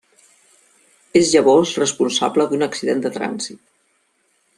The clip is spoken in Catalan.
És llavors responsable d'un accident de trànsit.